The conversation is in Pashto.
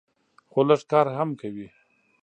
خو لږ کار هم کوي.